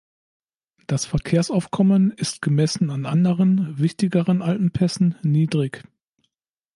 Das Verkehrsaufkommen ist gemessen an anderen, wichtigeren Alpenpässen niedrig.